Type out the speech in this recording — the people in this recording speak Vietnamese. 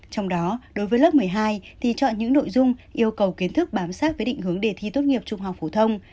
trong đó đối với lớp một mươi hai thì chọn những nội dung yêu cầu kiến thức bám sát với định hướng đề thi tốt nghiệp trung học phổ thông